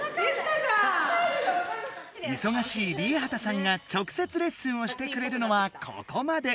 いそがしいＲＩＥＨＡＴＡさんが直接レッスンをしてくれるのはここまで！